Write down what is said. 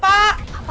pak romi bangun pak